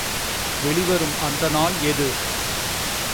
வெளி வரும் அந்த நாள் எது?